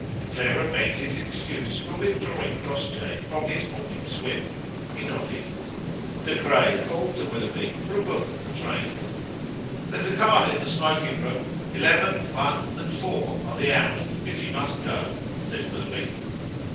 Clara begged his excuse for withdrawing Crossjay from his morning swim. He nodded. De Craye called to Willoughby for a book of the trains. "There's a card in the smoking room; eleven, one, and four are the hours, if you must go," said Willoughby.